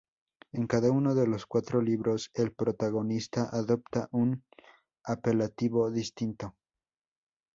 En cada uno de los cuatro libros, el protagonista adopta un apelativo distinto.